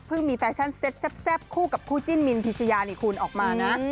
มีแฟชั่นเซ็ตแซ่บคู่กับคู่จิ้นมินพิชยานี่คุณออกมานะ